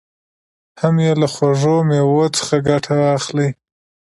هم یې له خوږو مېوو څخه ګټه واخلي.